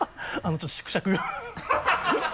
ちょっと縮尺が